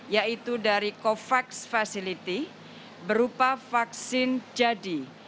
yaitu dari covax facility berupa vaksin jadi